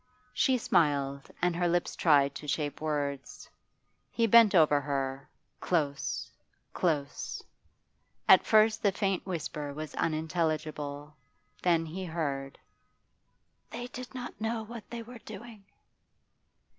She smiled, and her lips tried to shape words. He bent over her, close, close. At first the faint whisper was unintelligible, then he heard: 'They did not know what they were doing.